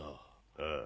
ああ。